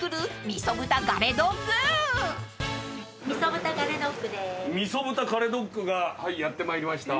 みそ豚ガレドッグがやってまいりました。